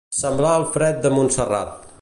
Semblar el fred de Montserrat.